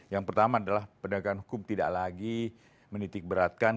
yang pertama adalah penegakan hukum tidak lagi menitikberatkan